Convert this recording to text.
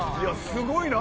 すごいな！